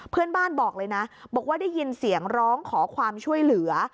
บอกเลยนะบอกว่าได้ยินเสียงร้องขอความช่วยเหลือ